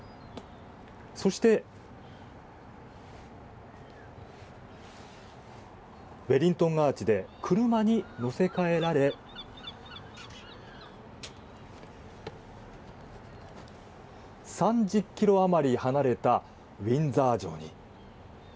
そして、ウェリントン・アーチで車に乗せ換えられ３０ｋｍあまり離れたウィンザー城に。